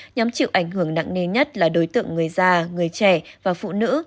nhóm chịu ảnh hưởng nặng nề nhất là đối tượng người già người trẻ và phụ nữ